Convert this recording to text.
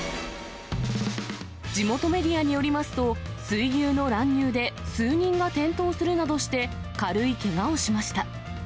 地元メディアによりますと、水牛の乱入で、数人が転倒するなどして、軽いけがをしました。